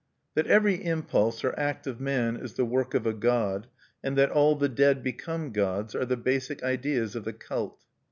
That every impulse or act of man is the work of a god, and that all the dead become gods, are the basic ideas of the cult.